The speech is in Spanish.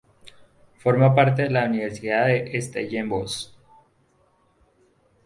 Forma parte de la Universidad de Stellenbosch.